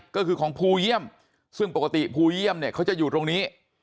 ก็คือของภูเยี่ยมซึ่งปกติภูเยี่ยมเนี่ยเขาจะอยู่ตรงนี้